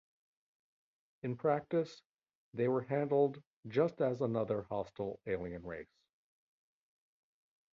In practice, they were handled just as another hostile alien race.